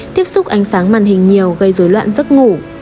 tiếp xúc ánh sáng màn hình nhiều gây dối loạn giấc ngủ